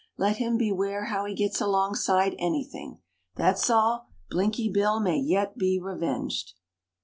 Let him beware how he gets alongside anything. That's all! Blinky Bill may yet be revenged!"